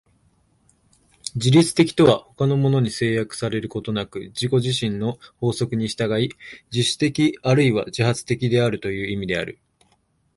自律的とは他のものに制約されることなく自己自身の法則に従い、自主的あるいは自発的であるという意味である。